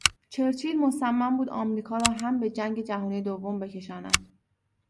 چرچیل مصمم بود امریکا را هم به جنگ جهانی دوم بکشاند.